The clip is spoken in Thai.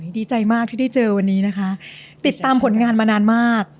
ดีใจมากที่ได้เจอวันนี้นะคะติดตามผลงานมานานมาก